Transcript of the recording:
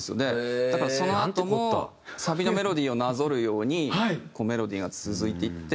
だからそのあともサビのメロディーをなぞるようにメロディーが続いていって。